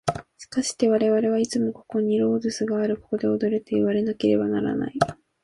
しかして我々はいつもここにロードゥスがある、ここで踊れといわなければならない。